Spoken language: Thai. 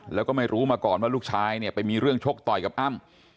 แล้วก็ไม่รู้มาก่อนว่าลูกชายเนี่ยไปมีเรื่องชกต่อยกับอ้ำ